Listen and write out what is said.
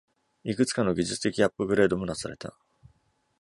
いくつかの技術的アップグレードも、なされた。